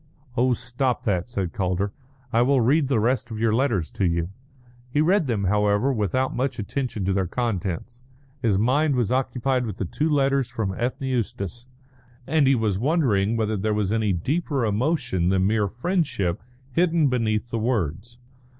"Oh, stop that," said Calder; "I will read the rest of your letters to you." He read them, however, without much attention to their contents. His mind was occupied with the two letters from Ethne Eustace, and he was wondering whether there was any deeper emotion than mere friendship hidden beneath the words.